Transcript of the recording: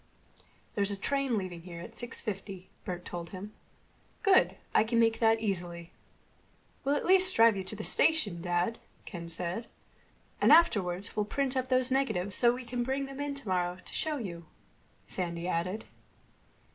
"There's a train leaving here at six fifty," Bert told him. "Good. I can make that easily." "We'll at least drive you to the station, Dad," Ken said. "And afterward we'll print up those negatives, so we can bring them in tomorrow to show you," Sandy added.